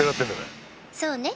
「そうね」